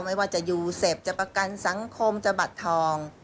ไม่ว่าจะยูเซฟจะประกันสังคมจะบัตรทอง